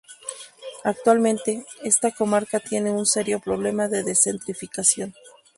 Actualmente, esta comarca tiene un serio problema de desertificación.